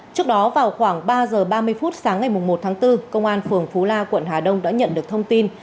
trước đó vào khoảng ba h ba mươi phút sáng ngày một tháng bốn công an phường phú la quận hà đông đã nhận được thông tin